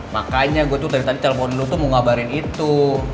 makanya gue tuh dari tadi telepon dulu tuh mau ngabarin itu